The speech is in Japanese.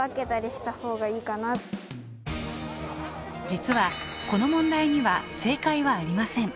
実はこの問題には正解はありません。